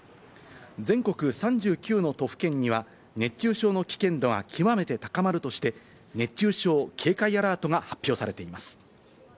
全国３９の都府県には熱中症の危険度が極めて高まるとして、熱中症警戒アラートが発表されています。